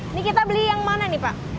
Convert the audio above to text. ini kita beli yang mana nih pak